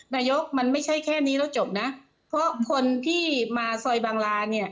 นายกมันไม่ใช่แค่นี้แล้วจบนะเพราะคนที่มาซอยบางราเนี่ย